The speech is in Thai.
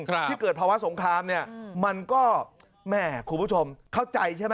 ที่เกิดภาวะสงครามเนี่ยมันก็แม่คุณผู้ชมเข้าใจใช่ไหม